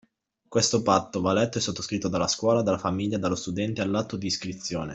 Questo patto va letto e sottoscritto dalla scuola, dalla famiglia, dallo studente all’atto di iscrizione.